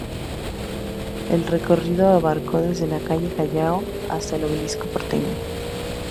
El recorrido abarcó desde la calle Callao hasta el Obelisco Porteño.